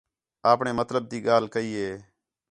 آپݨے مطلب تی ڳالھ کَئی ہے